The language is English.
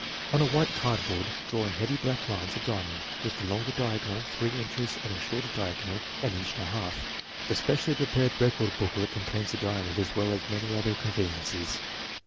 On a white cardboard draw in heavy black lines a diamond with the longer diagonal three inches and the shorter diagonal an inch and a half. The specially prepared record booklet contains the diamond as well as many other conveniences.